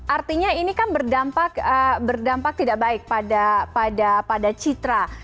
artinya ini kan berdampak tidak baik pada citra